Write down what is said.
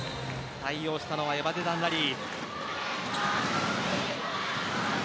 対応したのはエバデダン・ラリー。